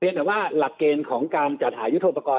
แต่ว่าหลักเกณฑ์ของการจัดหายุทธโปรกรณ